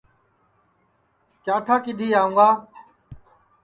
کیا ٹھا کِدھی آوں گی